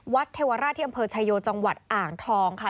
เทวราชที่อำเภอชายโยจังหวัดอ่างทองค่ะ